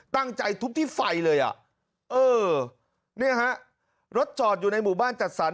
ตั้งใจทุบที่ไฟเลยรถจอดอยู่ในหมู่บ้านจัดสรร